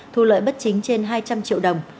thu lợi bất chính trên hai trăm linh triệu đồng